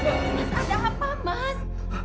mas ada apa mas